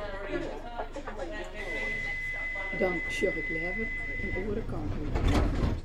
Dan sjoch ik leaver in oare kant út.